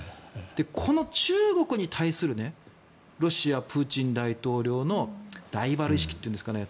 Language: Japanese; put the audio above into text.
この中国に対するロシア、プーチン大統領のライバル意識というんですかね